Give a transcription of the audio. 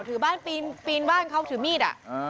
ถือบ้านปีนบ้านเขาถือมีด